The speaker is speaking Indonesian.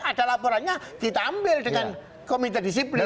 ada laporannya kita ambil dengan komite disiplin